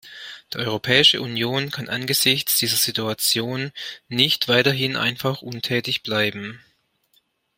Die Europäische Union kann angesichts diese Situation nicht weiterhin einfach untätig bleiben.